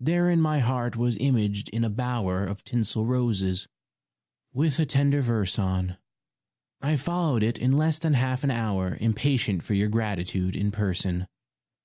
Therein my heart was imaged in a bower Of tinsel roses, with a tender verse on ; I followed it in less than half an hour Impatient for your gratitude in person.